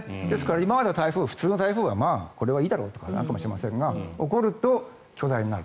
今までは台風は普通の台風はこれはいいだろうと思っていたかもしれませんが起こると、巨大になる。